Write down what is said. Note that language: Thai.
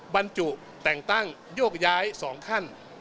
บรรจุแต่งตั้งโยกย้าย๒ขั้น